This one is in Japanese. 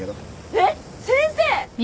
・えっ先生！